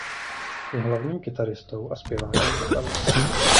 Je hlavním kytaristou a zpěvákem kapely.